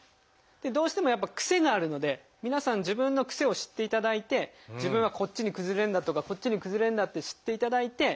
どうしてもやっぱ癖があるので皆さん自分の癖を知っていただいて自分はこっちに崩れるんだとかこっちに崩れるんだと知っていただいて。